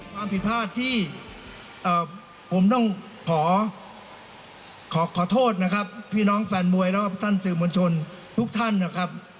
ความผิดพลาดที่ผมต้องขอขอโทษนะครับพี่น้องแฟนมวยแล้วก็ท่านสื่อมวลชนทุกท่านนะครับ